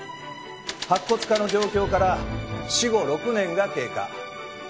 白骨化の状況から死後６年が経過。